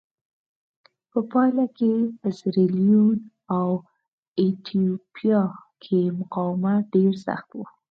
په پایله کې په سیریلیون او ایتوپیا کې مقاومت ډېر سخت و.